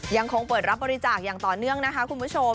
ยังคงเปิดรับบริจาคอย่างต่อเนื่องนะคะคุณผู้ชม